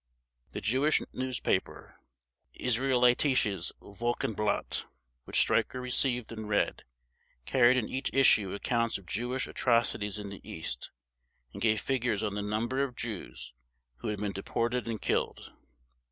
The Jewish newspaper, Israelitisches Wochenblatt, which Streicher received and read, carried in each issue accounts of Jewish atrocities in the East, and gave figures on the number of Jews who had been deported and killed.